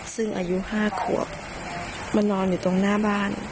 ซึ่งอายุ๕ขวบ